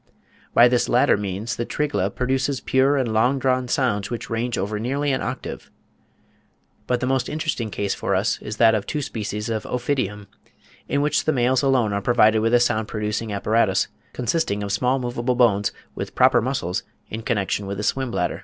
By this latter means the Trigla produces pure and long drawn sounds which range over nearly an octave. But the most interesting case for us is that of two species of Ophidium, in which the males alone are provided with a sound producing apparatus, consisting of small movable bones, with proper muscles, in connection with the swim bladder.